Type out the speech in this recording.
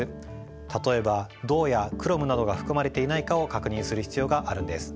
例えば銅やクロムなどが含まれていないかを確認する必要があるんです。